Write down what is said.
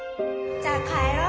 「じゃあ帰ろう」。